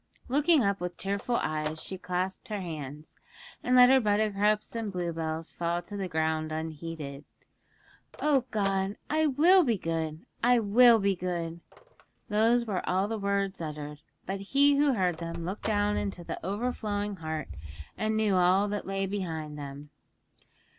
Looking up with tearful eyes, she clasped her hands, and let her buttercups and bluebells fall to the ground unheeded. 'O God, I will be good! I will be good!' Those were all the words uttered, but He who heard them looked down into the overflowing heart, and knew all that lay behind them.